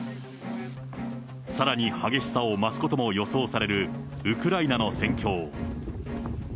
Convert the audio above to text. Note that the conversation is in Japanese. さらに激しさを増すことも予想されるウクライナの戦況。